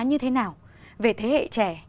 như thế nào về thế hệ trẻ